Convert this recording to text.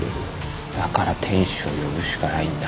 だから天使を呼ぶしかないんだ